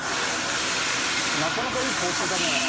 なかなかいい顔してたね。